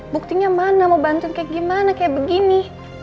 buktinya mana mau bantuin kayak gimana kayak begini